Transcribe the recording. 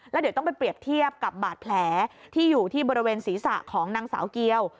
แล้วเดี๋ยวต้องไปเปรียบเทียบกับบาดแผลที่อยู่ที่บริเวณศีรษะของนางสาวเกียว